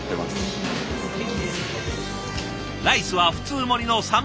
ライスは普通盛りの３杯分。